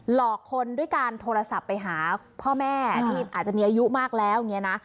หลอกคนด้วยการโทรศัพท์ไปหาพ่อแม่ที่อาจจะมีอายุมากแล้วอย่างนี้นะ